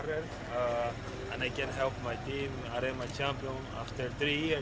dan saya bisa membantu tim saya arema champion setelah tiga tahun